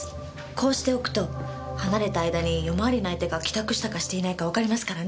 こうしておくと離れた間に夜回りの相手が帰宅したかしていないかわかりますからね。